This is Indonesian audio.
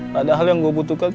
padahal yang gue butuhkan